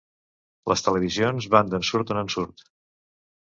Les televisions van d'ensurt en ensurt.